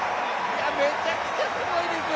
めちゃくちゃすごいですよ